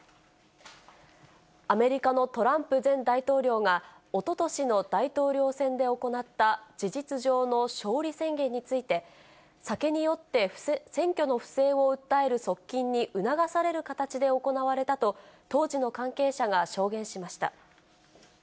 アメリカのトランプ前大統領が、おととしの大統領選で行った事実上の勝利宣言について、酒に酔って選挙の不正を訴える側近に促される形で行われたと、当時の関係者が証言しました。